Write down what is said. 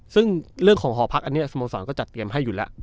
ซึ่งเรื่องของหอพักอันนี้สโมสรก็จัดเตรียมให้อยู่แล้ว